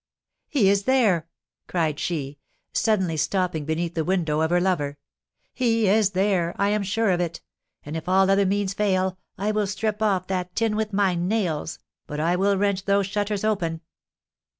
"He is there!" cried she, suddenly stopping beneath the window of her lover. "He is there! I am sure of it; and if all other means fail I will strip off that tin with my nails, but I will wrench those shutters open!"